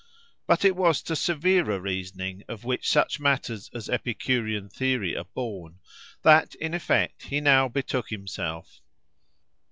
But it was to the severer reasoning, of which such matters as Epicurean theory are born, that, in effect, he now betook himself.